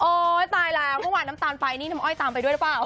ตายแล้วเมื่อวานน้ำตาลไปนี่น้ำอ้อยตามไปด้วยหรือเปล่า